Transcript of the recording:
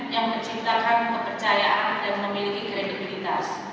yang menciptakan kepercayaan dan memiliki kredibilitas